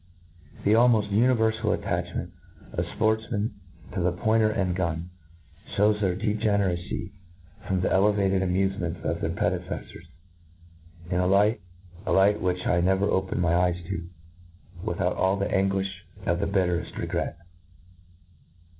The almoft univerfal attachment of fportfmen to the pointer and gun, Ihews their degeneracy from the elevated amufements of their prede ceffors, in a light — a light, which I never open my eyes to, without all the anguilh of the bit tercft regret.